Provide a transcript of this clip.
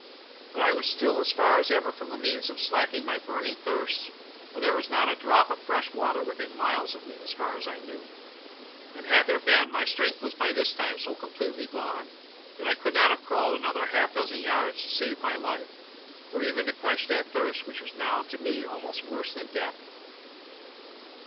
But I was still as far as ever from the means of slaking my burning thirst, for there was not a drop of fresh water within miles of me, as far as I knew; and had there been, my strength was by this time so completely gone that I could not have crawled another half dozen yards to save my life, or even to quench that thirst which was now to me almost worse than death.